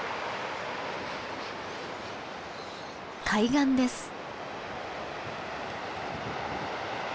海岸です。